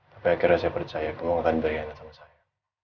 tapi akhirnya saya percaya kemungkinan dari anda sama saya